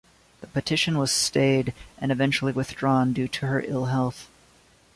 The petition was stayed and eventually withdrawn due to her ill-health.